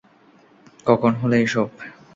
কখন হলো এসব?